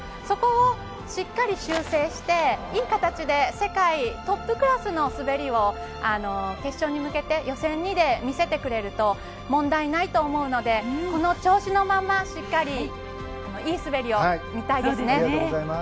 そこをしっかり修正していい形で世界トップクラスの滑りを決勝に向けて予選２で見せてくれると問題ないと思うのでこの調子のまましっかりいい滑りを見たいですね。